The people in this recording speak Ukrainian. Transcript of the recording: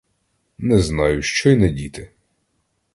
Не знаю, що й надіти?